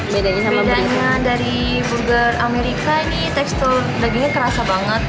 bedanya dari burger amerika ini tekstur dagingnya kerasa banget